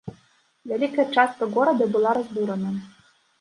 Вялікая частка горада была разбурана.